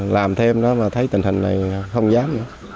làm thêm đó mà thấy tình hình này không dám nữa